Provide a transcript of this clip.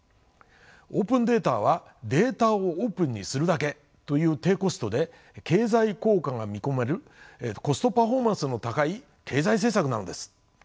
オープンデータはデータをオープンにするだけという低コストで経済効果が見込めるコストパフォーマンスの高い経済政策なのです。